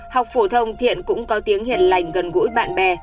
học phổ thông thiện cũng có tiếng hiền lành gần gũi bạn bè